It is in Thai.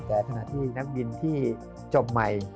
แต่ขณะที่นักบินที่จบใหม่